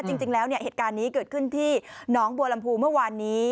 จริงแล้วเนี่ยเหตุการณ์นี้เกิดขึ้นที่หนองบัวลำพูเมื่อวานนี้